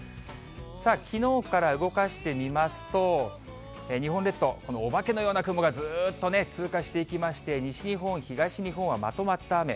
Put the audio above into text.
さあ、きのうから動かしてみますと、日本列島、このおばけのような雲がずーっとね、通過していきまして、西日本、東日本はまとまった雨。